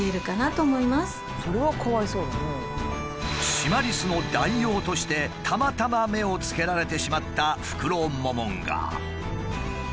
シマリスの代用としてたまたま目をつけられてしまったフクロモモンガ。